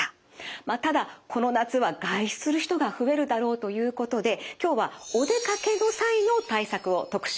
ただこの夏は外出する人が増えるだろうということで今日はお出かけの際の対策を特集していきます。